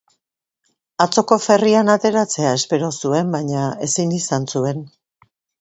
Atzoko ferryan ateratzea espero zuen baina, ezin izan zuen.